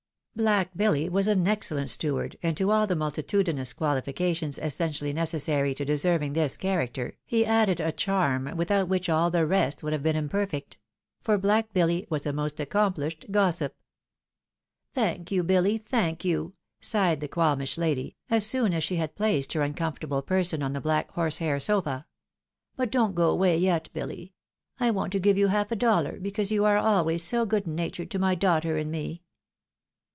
Black Billy was an excellent steward, and to all the multi tudinous quaUiications essentially necessary to deserving this character, he added a charm, without which all the rest would have been imperfect — for Black Billy was a most acoomphshed gossip. " Thank you, Billy ! thank you !" sighed the qualmish lady, as soon as she had placed her uncomfortable person on the black horsehair sofa. " But don't go away yet, Billy ! I want to give you half a dollar, because you are always so good natured to my daughter and me."